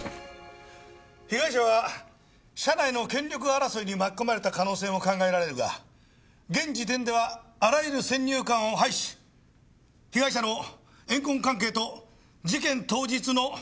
被害者は社内の権力争いに巻き込まれた可能性も考えられるが現時点ではあらゆる先入観を排し被害者の怨恨関係と事件当日の足取りを洗い出す。